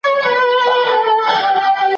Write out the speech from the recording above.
افغانان د خپلواکۍ لپاره چمتو شول.